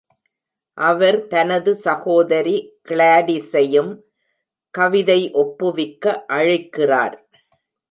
அவர் தனது சகோதரி கிளாடிஸையும் கவிதை ஒப்புவிக்க அழைக்கிறார்.